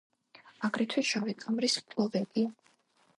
აგრეთვე შავი ქამრის მფლობელია.